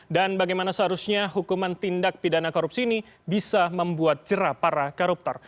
dan bagaimana seharusnya hukuman tindak pidana korupsi ini bisa membuat jerah para koruptor